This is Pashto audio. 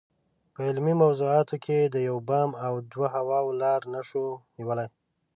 په علمي موضوعاتو کې د یو بام او دوه هوا لاره نشو نیولای.